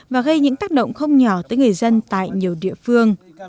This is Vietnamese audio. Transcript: và gây những tác động không nhỏ tới người dân tại nhiều địa phương